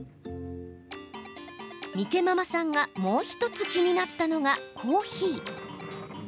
みけままさんが、もう１つ気になったのがコーヒー。